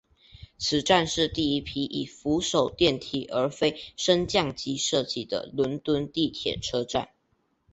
此站是第一批以扶手电梯而非升降机设计的伦敦地铁车站。